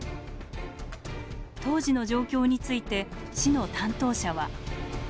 当時の状況について市の担当者は。